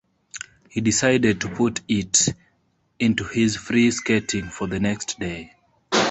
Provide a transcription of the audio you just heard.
He decided to put it into his free skating for the next day.